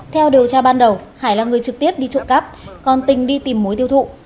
theo điều tra ban đầu hải là người trực tiếp đi trộm cắp còn tình đi tìm mối tiêu thụ